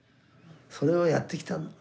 それをやってきたんだ。